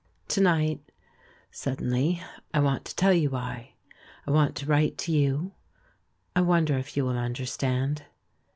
To night, suddenly, I want to tell you why, I want to write to you, I wonder if you will understand.